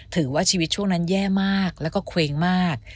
ถือว่าชีวิตช่วงนั้นแย่มากแล้วก็เคว้งมาก